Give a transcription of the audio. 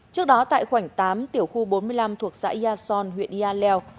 trước đó tại khoảnh tám tiểu khu bốn mươi năm thuộc xã yà son huyện yà leo